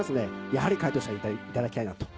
やはり回答者でいていただきたいなと。